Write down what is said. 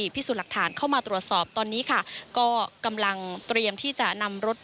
พิสูจน์หลักฐานเข้ามาตรวจสอบตอนนี้ค่ะก็กำลังเตรียมที่จะนำรถ